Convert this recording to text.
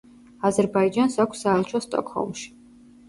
აზერბაიჯანს აქვს საელჩო სტოკჰოლმში.